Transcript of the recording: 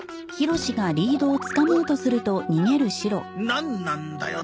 なんなんだよ！